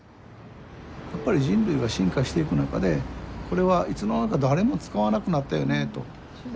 やっぱり人類は進化していく中でこれはいつの間にか誰も使わなくなったよねと。